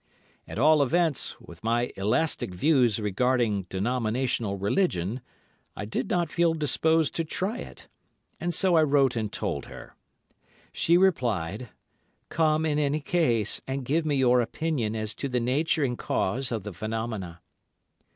At all events, with my elastic views regarding denominational religion, I did not feel disposed to try it, and so I wrote and told her. She replied, "Come in any case, and give me your opinion as to the nature and cause of the phenomena."